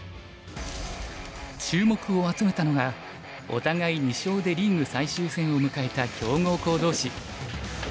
注目を集めたのがお互い２勝でリーグ最終戦を迎えた強豪校同士。